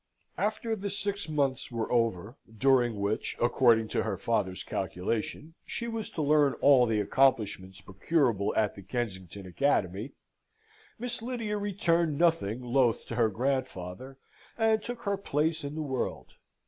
After the six months were over, during which, according to her father's calculation, she was to learn all the accomplishments procurable at the Kensington Academy, Miss Lydia returned nothing loth to her grandfather, and took her place in the world.